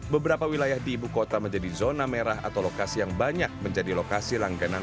beberapa wilayah di ibu kota menjadi zona merah atau lokasi yang banyak menjadi lokasi langganan